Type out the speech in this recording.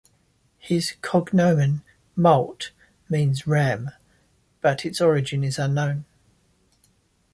His cognomen, "molt", means "ram" but its origin is unknown.